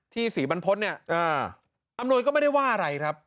ศรีบรรพฤษเนี่ยอำนวยก็ไม่ได้ว่าอะไรครับ